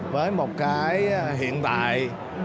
với một cái hiện tại